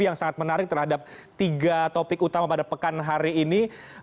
yang sangat menarik terhadap tiga topik utama pada pekan hari ini